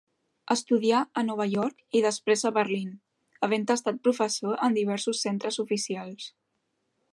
Estudià a Nova York i després a Berlín, havent estat professor en diversos centres oficials.